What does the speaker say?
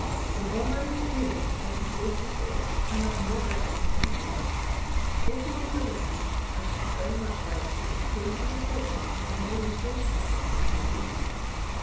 "In all my experience I can safely say I have never seen its equal. If you will permit me I should very much like to include a description and an illustration of it in my book."